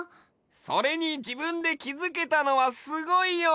それに自分できづけたのはすごいよ！